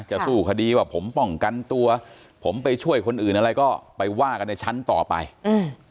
สู้คดีว่าผมป้องกันตัวผมไปช่วยคนอื่นอะไรก็ไปว่ากันในชั้นต่อไปอืม